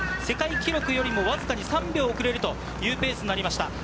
世界記録よりもわずかに３秒遅れるというペースになりました。